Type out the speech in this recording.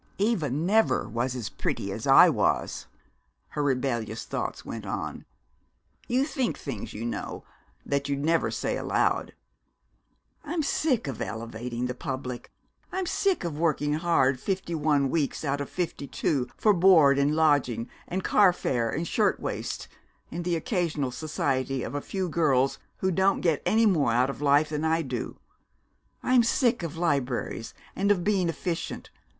"Eva never was as pretty as I was!" her rebellious thoughts went on. You think things, you know, that you'd never say aloud. "I'm sick of elevating the public! I'm sick of working hard fifty one weeks out of fifty two for board and lodging and carfare and shirtwaists and the occasional society of a few girls who don't get any more out of life than I do! I'm sick of libraries, and of being efficient!